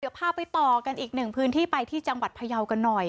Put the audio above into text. เดี๋ยวพาไปต่อกันอีกหนึ่งพื้นที่ไปที่จังหวัดพยาวกันหน่อย